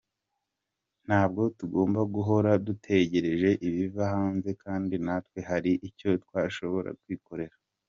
Ntabwo tugomba guhora dutegereje ibiva hanze kandi natwe hari icyo twashobora kwikorera".